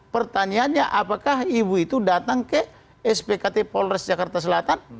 pertanyaannya apakah ibu itu datang ke spkt polres jakarta selatan